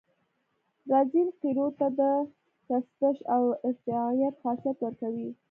رزین قیرو ته د چسپش او ارتجاعیت خاصیت ورکوي